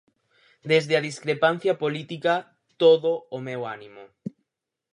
Desde a discrepancia política, todo o meu ánimo.